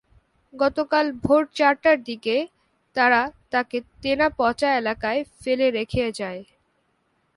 গতকাল ভোর চারটার দিকে তারা তাকে তেনাপচা এলাকায় ফেলে রেখে যায়।